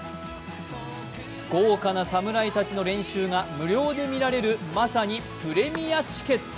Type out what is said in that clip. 豪華な侍たちの練習が無料で見られるまさにプレミアチケット。